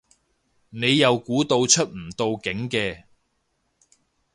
你又估到出唔到境嘅